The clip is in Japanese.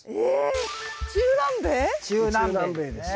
中南米ですね。